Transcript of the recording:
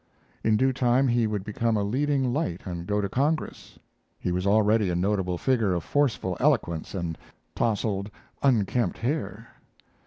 In due time he would become a leading light and go to Congress. He was already a notable figure of forceful eloquence and tousled, unkempt hair.